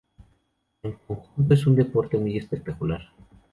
En conjunto es un deporte muy espectacular.